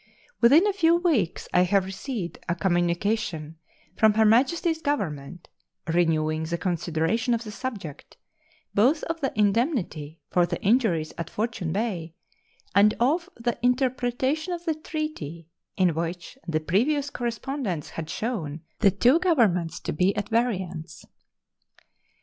Within a few weeks I have received a communication from Her Majesty's Government renewing the consideration of the subject, both of the indemnity for the injuries at Fortune Bay and of the interpretation of the treaty in which the previous correspondence had shown the two Governments to be at variance.